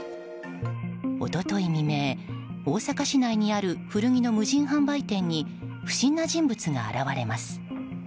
一昨日未明、大阪市内にある古着の無人販売店に不審な人物が現れます。